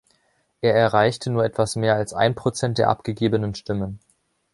Er erreichte nur etwas mehr als ein Prozent der abgegebenen Stimmen.